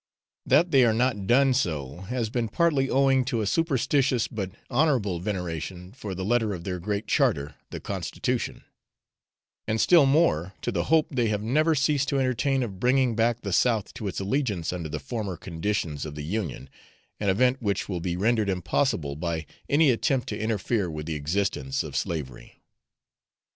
That they have not done so has been partly owing to a superstitious, but honourable veneration for the letter of their great charter, the constitution, and still more to the hope they have never ceased to entertain of bringing back the South to its allegiance under the former conditions of the Union, an event which will be rendered impossible by any attempt to interfere with the existence of slavery.